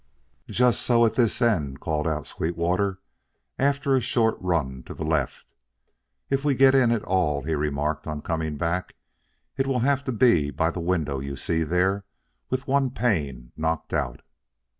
"Just so at this end," called out Sweetwater after a short run to the left. "If we get in at all," he remarked on coming back, "it will have to be by the window you see there with one pane knocked out."